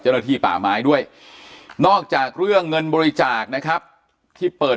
เจ้าหน้าที่ป่าไม้ด้วยนอกจากเรื่องเงินบริจาคนะครับที่เปิด